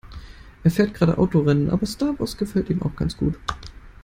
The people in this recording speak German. Er fährt gerade Autorennen, aber Star Wars gefällt ihm auch ganz gut.